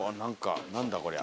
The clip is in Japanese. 何だこりゃ。